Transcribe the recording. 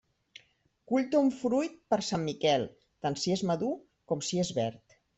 Cull ton fruit per Sant Miquel, tant si és madur com si és verd.